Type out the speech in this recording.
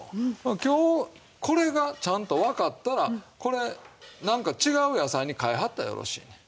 今日これがちゃんとわかったらこれなんか違う野菜に変えはったらよろしいね。